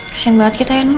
kasian banget kita ya noh